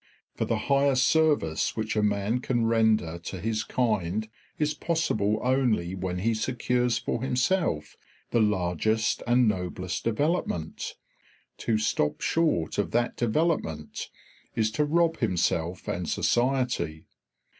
For the highest service which a man can render to his kind is possible only when he secures for himself the largest and noblest development; to stop short of that development is to rob himself and society.